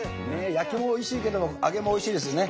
焼きもおいしいけど揚げもおいしいですよね。